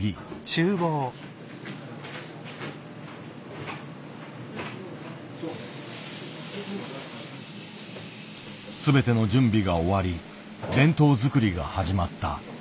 全ての準備が終わり弁当作りが始まった。